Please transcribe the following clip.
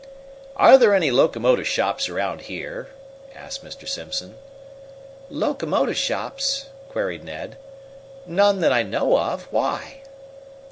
"Are there any locomotive shops around here?" asked Mr. Simpson. "Locomotive shops?" queried Ned. "None that I know of. Why?"